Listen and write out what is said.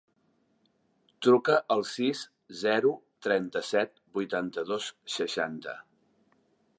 Truca al sis, zero, trenta-set, vuitanta-dos, seixanta.